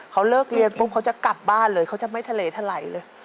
เขาเลิกเรียนปุ๊บเขาจะกลับบ้านเลยเขาจะไม่ทะเลทะไหลเลย